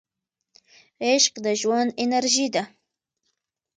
عشق د ژوند انرژي ده.